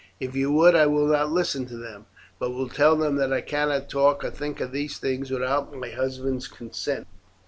If you would I will not listen to them, but will tell them that I cannot talk or think of these things without my husband's consent."